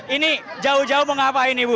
ini jauh jauh mau ngapain ibu